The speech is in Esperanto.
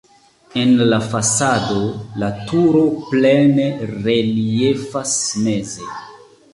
En la fasado la turo plene reliefas meze.